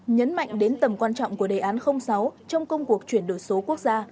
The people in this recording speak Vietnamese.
nhấn mạnh đến tầm quan trọng của đề án sáu trong công cuộc chuyển đổi số quốc gia